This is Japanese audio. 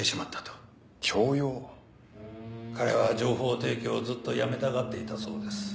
彼は情報提供をずっとやめたがっていたそうです。